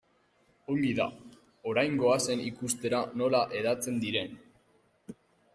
Ongi da, orain goazen ikustera nola hedatzen diren.